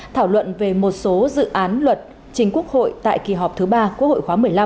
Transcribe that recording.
thảo luận về một số dự án luật chính quốc hội tại kỳ họp thứ ba quốc hội khóa một mươi năm